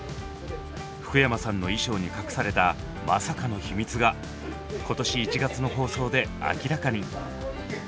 福山さんの衣装に隠されたまさかの秘密が今年１月の放送で明らかに！